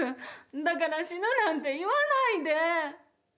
だから死ぬなんて言わないで。